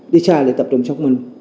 đi xa để tập trung xác minh